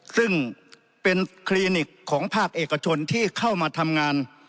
ซึ่งเป็นคลินิกของภาคเอกชนที่เข้ามาทำงาน